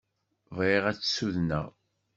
Bɣiɣ ad tt-sudneɣ.